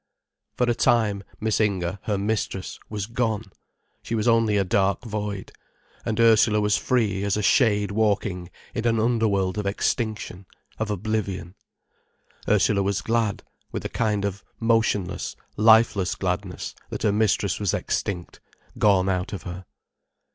For a time Miss Inger, her mistress, was gone; she was only a dark void, and Ursula was free as a shade walking in an underworld of extinction, of oblivion. Ursula was glad, with a kind of motionless, lifeless gladness, that her mistress was extinct, gone out of her.